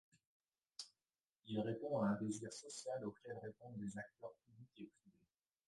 Elle répond à un désir social auquel répondent des acteurs publics et privés.